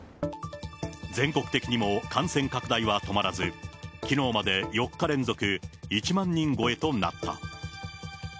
全国的にも感染拡大は止まらず、きのうまで４日連続１万人超えとなった。